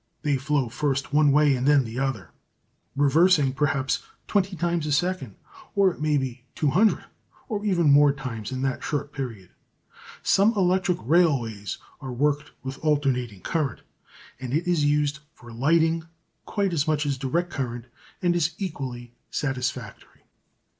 They flow first one way and then the other, reversing perhaps twenty times a second, or it may be two hundred, or even more times in that short period. Some electric railways are worked with alternating current, and it is used for lighting quite as much as direct current and is equally satisfactory.